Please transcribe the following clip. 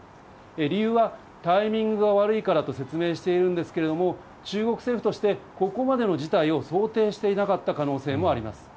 理由はタイミングが悪いからと説明しているんですけれども、中国政府として、ここまでの事態を想定していなかった可能性もあります。